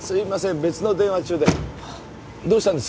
別の電話中でどうしたんです？